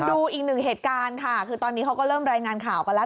ดูอีกหนึ่งเหตุการณ์ค่ะคือตอนนี้เขาก็เริ่มรายงานข่าวกันแล้ว